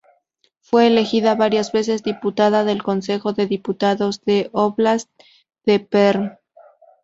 Fue elegida varias veces diputada del Consejo de Diputados del Óblast de Perm.